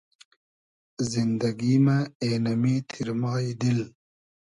زیندئگی مۂ اېنۂ می تیرمای دیل